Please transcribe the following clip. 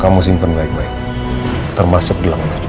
kamu simpen baik baik termasuk dalam tujuan